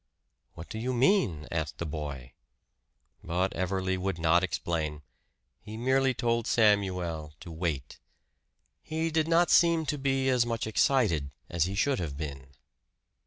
"What do you mean?" asked the boy. But Everley would not explain he merely told Samuel to wait. He did not seem to be as much excited as he should have been.